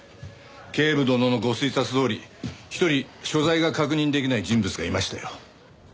警部殿のご推察どおり一人所在が確認できない人物がいましたよ。